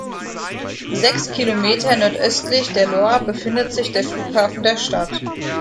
Sechs Kilometer nordöstlich der Loire befindet sich der Flughafen der Stadt.